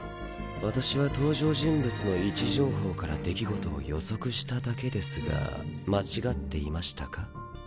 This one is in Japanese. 私は登場人物の位置情報から出来事を予測しただけですが間違っていましたか？